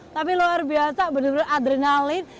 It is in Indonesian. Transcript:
tapi luar biasa bener bener adrenalin